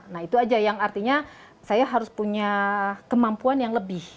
nah itu aja yang artinya saya harus punya kemampuan yang lebih